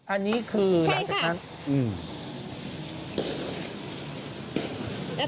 อันนี้คือหลังจากนั้นอืมใช่ค่ะ